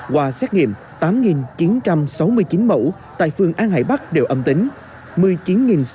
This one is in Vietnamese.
qua xét nghiệm tám chín trăm sáu mươi chín mẫu tại phường an hải bắc đều âm tính